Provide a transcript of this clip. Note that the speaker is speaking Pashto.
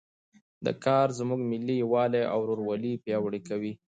دا کار زموږ ملي یووالی او ورورولي پیاوړی کوي